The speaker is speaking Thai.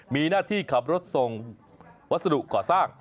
มีหน้าที่ขับรถส่งวัสดุก่อสร้าง